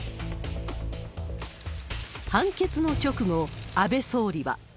判決の直後、安倍総理は。